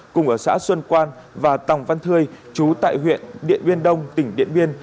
cùng ở xã xuân quan và tòng văn thơê chú tại huyện điện biên đông tỉnh điện biên